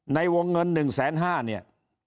ในวงเงิน๑แสน๕เนี่ย